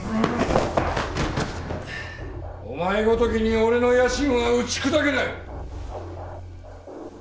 お前ごときに俺の野心は打ち砕けない！